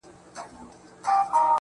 ما د مرگ ورځ به هم هغه ورځ وي